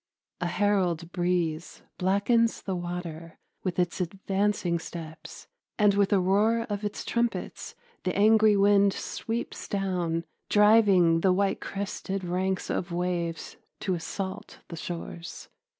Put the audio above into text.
A herald breeze blackens the water with its advancing steps, and with a roar of its trumpets the angry wind sweeps down, driving the white crested ranks of waves to assault the shores.